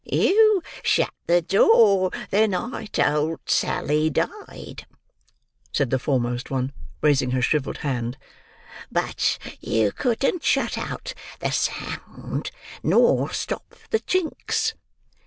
"You shut the door the night old Sally died," said the foremost one, raising her shrivelled hand, "but you couldn't shut out the sound, nor stop the chinks."